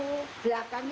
terus bu ambilkan sarung